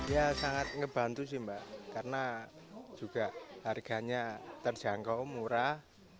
ya sangat ngebantu sih mbak karena juga harganya terjangkau murah